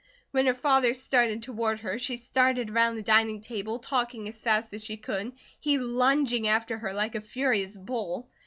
When her father started toward her, she started around the dining table, talking as fast as she could, he lunging after her like a furious bull.